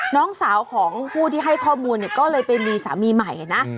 น้องสาวของผู้ที่ให้ข้อมูลเนี่ยก็เลยไปมีสามีใหม่นะ